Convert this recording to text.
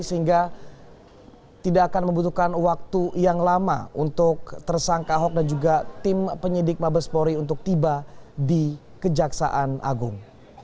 sehingga tidak akan membutuhkan waktu yang lama untuk tersangka ahok dan juga tim penyidik mabespori untuk tiba di kejaksaan agung